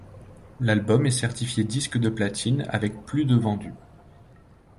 L'album est certifié disque de platine avec plus de vendus.